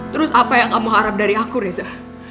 terus apa yang kamu harap dari aku reza